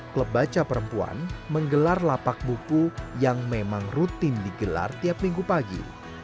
klub baca perempuan menggelar lapak buku yang memang rutin digelar tiap minggu pagi